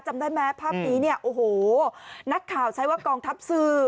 จำได้ไหมภาพนี้เนี่ยโอ้โหนักข่าวใช้ว่ากองทัพสื่อ